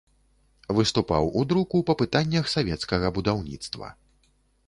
Выступаў у друку па пытаннях савецкага будаўніцтва.